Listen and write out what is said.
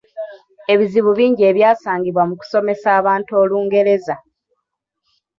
Ebizibu bingi ebyasangibwa mu kusomesa abantu Olungereza.